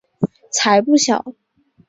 才不小！